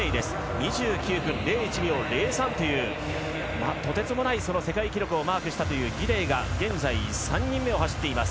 ２９分０１秒３３というとてつもない世界記録をマークしたギデイが現在３人目を走っています。